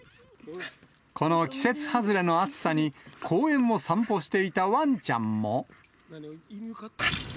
この季節外れの暑さに、公園を散歩していたわんちゃんも。